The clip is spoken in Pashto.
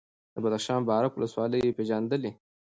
د بدخشان بارک ولسوالي یې راپېژندلې،